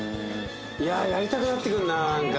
いややりたくなってくるななんか。